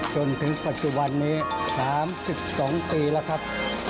จนถึงปัจจุบันนี้๓๒ปีแล้วครับ